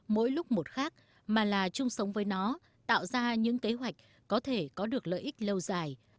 mỗi lúc một khác mà là chung sống với nó tạo ra những kế hoạch có thể có được lợi ích lâu dài